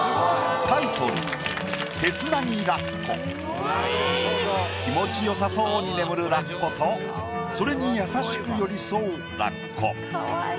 タイトル気持ちよさそうに眠るラッコとそれに優しく寄り添うラッコ。